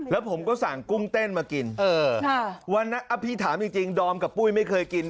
แล้วผมก็สั่งกุ้งเต้นมากินเออวันนั้นพี่ถามจริงดอมกับปุ้ยไม่เคยกิน